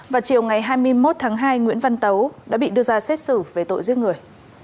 vào chiều ngày hai mươi một tháng hai nguyễn văn tấu đã bị đưa ra xét xử về tội giết người